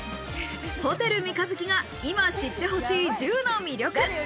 ホテル三日月が今知って欲しい１０の魅力。